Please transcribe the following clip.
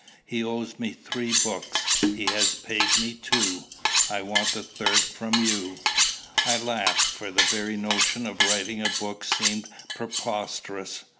He owed me three books; he has paid me two. I want the third from you." I laughed; for the very notion of writing a book seemed preposterous.